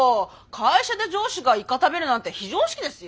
会社で上司がイカ食べるなんて非常識ですよ。